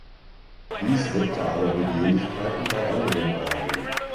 Dies weckte aber Begehrlichkeiten bei anderen Orden.